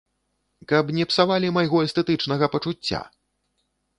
Каб не псавалі майго эстэтычнага пачуцця!